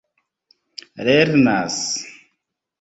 lernas